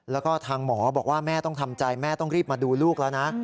แล้วก็ทางหมอบอกว่าแม่ต้องทำใจแม่ต้องรีบมาดูลูกแล้วนะ